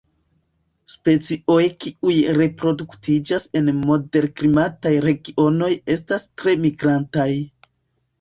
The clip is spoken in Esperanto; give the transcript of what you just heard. Specioj kiuj reproduktiĝas en moderklimataj regionoj estas tre migrantaj.